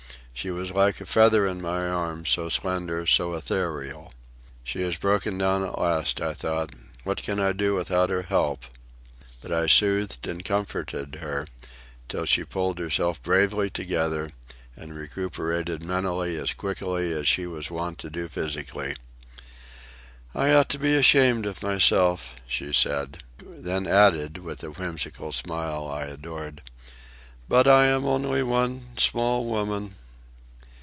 She was like a feather in my arms, so slender, so ethereal. "She has broken down at last," I thought. "What can I do without her help?" But I soothed and comforted her, till she pulled herself bravely together and recuperated mentally as quickly as she was wont to do physically. "I ought to be ashamed of myself," she said. Then added, with the whimsical smile I adored, "but I am only one, small woman."